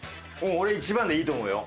俺１番でいいと思うよ。